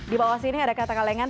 di bawah sini ada kata kalengan